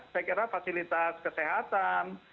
saya kira fasilitas kesehatan